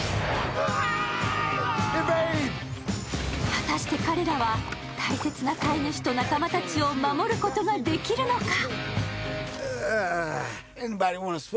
果たして彼らは大切な飼い主と仲間たちを守ることができるのか。